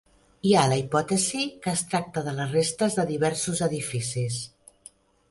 Hi ha la hipòtesi que es tracta de les restes de diversos edificis.